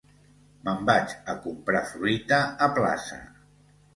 Me'n vaig a comprar fruita a plaça.